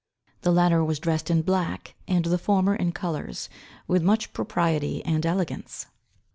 The latter was dressed in black, the former in colours, with much propriety and elegance.